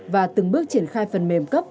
và từng bước triển khai phần mềm cấp